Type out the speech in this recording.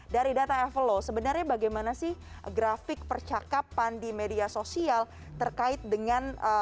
dari data evelo sebenarnya bagaimana sih grafik percakapan di media sosial terkait dengan